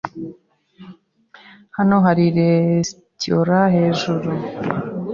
Hano hari resitora hejuru.